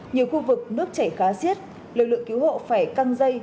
nhiều khu vực nước chảy khá xiết lực lượng cứu hộ phải căng dây